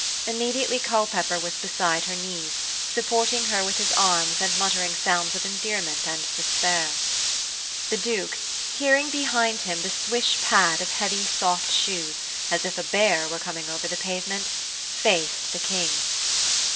Immediately Culpepper was beside her knees, supporting her with his arms and muttering sounds of endearment and despair. The Duke, hearing behind him the swish pad of heavy soft shoes, as if a bear were coming over the pavement, faced the King.